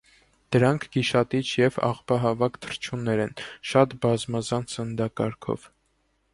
Դրանք գիշատիչ և աղբահավաք թռչուններ են՝ շատ բազմազան սննդակարգով։